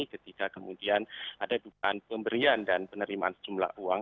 ketika kemudian ada dukaan pemberian dan penerimaan jumlah uang